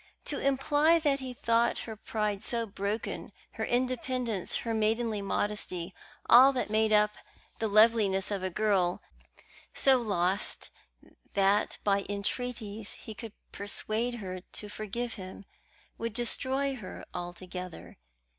To imply that he thought her pride so broken, her independence, her maidenly modesty, all that make up the loveliness of a girl, so lost that by entreaties he could persuade her to forgive him, would destroy her altogether.